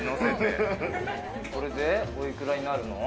これでお幾らになるの？